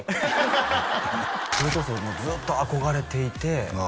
ハハハそれこそずっと憧れていてああ